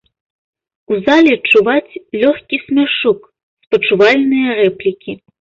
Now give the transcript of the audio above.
У зале чуваць лёгкі смяшок, спачувальныя рэплікі.